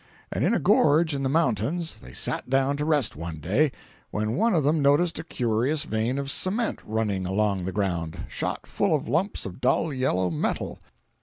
And in a gorge in the mountains they sat down to rest one day, when one of them noticed a curious vein of cement running along the ground, shot full of lumps of dull yellow metal.